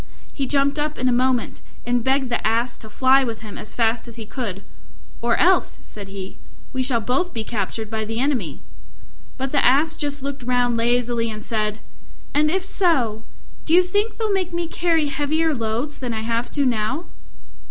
He jumped up in a moment, and begged the Ass to fly with him as fast as he could, "Or else," said he, "we shall both be captured by the enemy." But the Ass just looked round lazily and said, "And if so, do you think they'll make me carry heavier loads than I have to now?"